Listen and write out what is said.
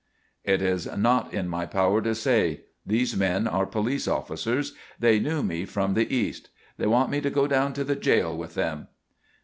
"It is not in my power to say. These men are police officers. They knew me from the east. They want me to go down to the jail with them."